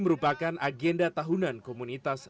merupakan agenda tahunan komunitas